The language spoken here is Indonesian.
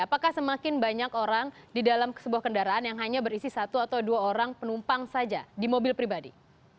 apakah semakin banyak orang di dalam sebuah kendaraan yang hanya berisi satu atau dua orang penumpang saja di mobil pribadi